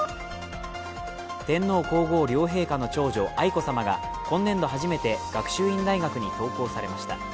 天皇皇后両陛下の長女・愛子さまが今年度初めて学習院大学に登校されました。